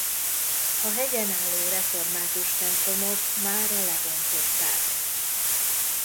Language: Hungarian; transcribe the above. A hegyen álló református templomot mára lebontották.